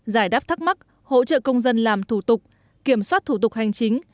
giải đáp thắc mắc hỗ trợ công dân làm thủ tục kiểm soát thủ tục hành chính